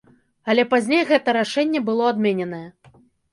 Але пазней гэтае рашэнне было адмененае.